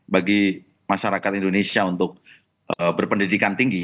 bagi masyarakat indonesia untuk berpendidikan tinggi